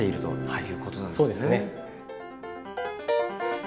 そうですね。